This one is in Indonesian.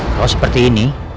kalau seperti ini